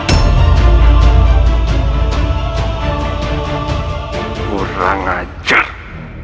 acaba yang meng wwi solidus